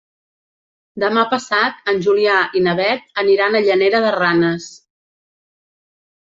Demà passat en Julià i na Beth aniran a Llanera de Ranes.